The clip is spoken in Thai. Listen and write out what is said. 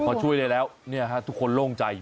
เขาช่วยได้แล้วนี่ครับทุกคนโล่งใจ